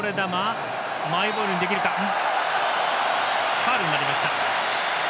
ファウルになりました。